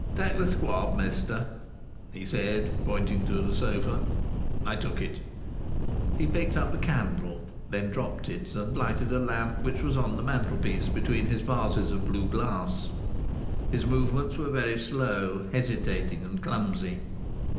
"Take th' squab, mester," he said, pointing to the sofa. I took it. He picked up the candle; then dropped it, and lighted a lamp which was on the mantelpiece between his vases of blue glass. His movements were very slow, hesitating and clumsy.